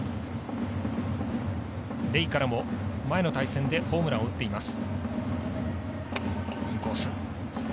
レイからも前の対戦でホームランを打っています。